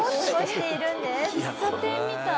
喫茶店みたい。